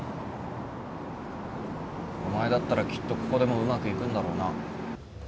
お前だったらきっとここでもうまくいくんだろうな。